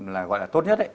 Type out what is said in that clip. là gọi là tốt nhất ấy